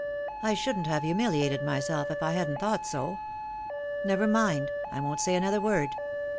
I shouldn't have humiliated myself if I hadn't thought so. Never mind ; 1 won't say another word.